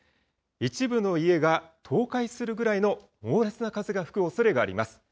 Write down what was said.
一部の家が倒壊するぐらいの猛烈な風が吹くおそれがあります。